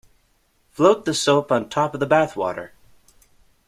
Float the soap on top of the bath water.